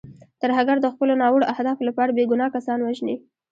ترهګر د خپلو ناوړو اهدافو لپاره بې ګناه کسان وژني.